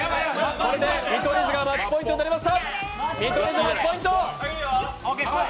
これで見取り図がマッチポイントになりました。